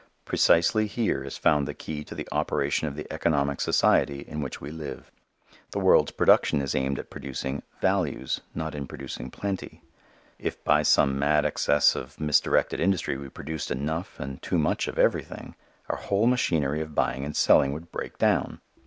Precisely here is found the key to the operation of the economic society in which we live. The world's production is aimed at producing "values," not in producing plenty. If by some mad access of misdirected industry we produced enough and too much of everything, our whole machinery of buying and selling would break down.